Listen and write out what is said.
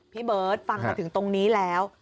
เบิร์ตฟังมาถึงตรงนี้แล้ว